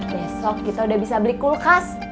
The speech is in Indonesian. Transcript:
besok kita udah bisa beli kulkas